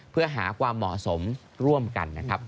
เพื่อหาความเหมาะสมร่วมกันนะครับ